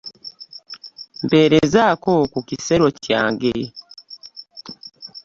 Mperezaako ku kisero kyange.